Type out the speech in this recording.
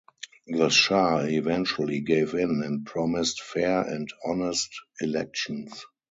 The Shah eventually gave in and promised fair and honest elections.